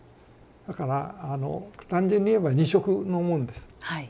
だからあの単純に言えば２色のものです。